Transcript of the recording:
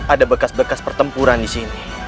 ada bekas bekas pertempuran disini